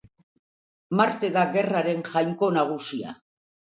Marte da gerraren jainko nagusia.